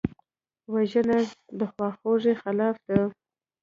وژنه د خواخوږۍ خلاف ده